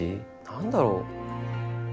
何だろう？